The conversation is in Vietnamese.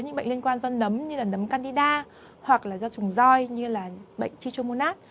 như bệnh liên quan do nấm như là nấm candida hoặc là do trùng roi như là bệnh trichomonas